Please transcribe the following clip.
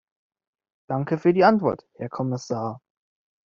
Danke für die Antwort, Herr Kommissar.